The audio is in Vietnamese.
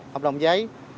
hợp đồng giấy